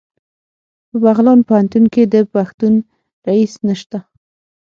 په بغلان پوهنتون کې یو پښتون رییس نشته